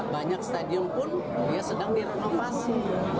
banyak stadion pun sedang direnovasi